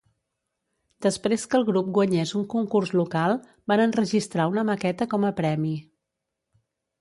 Després que el grup guanyés un concurs local, van enregistrar una maqueta com a premi.